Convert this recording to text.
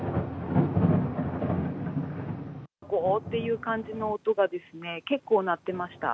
ごーっていう感じの音がですね、結構鳴ってました。